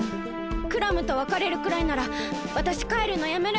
クラムとわかれるくらいならわたしかえるのやめる！